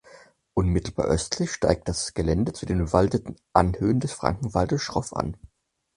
Unmittelbar östlich steigt das Gelände zu den bewaldeten Anhöhen des Frankenwaldes schroff an.